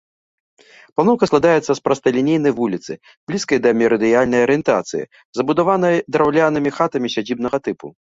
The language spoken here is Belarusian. Планоўка складаецца з прасталінейнай вуліцы, блізкай да мерыдыянальнай арыентацыі, забудаванай драўлянымі хатамі сядзібнага тыпу.